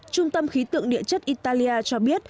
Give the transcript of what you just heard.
trung tâm khí tượng địa chất italia cho biết